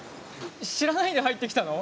知らないで入ってきたの？